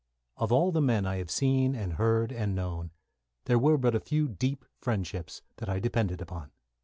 Of all the men I have seen and heard and known, there were but a few deep friendships that I depended upon.